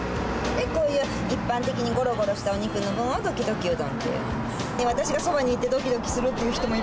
でこういう一般的にゴロゴロしたお肉の分をどきどきうどんっていう。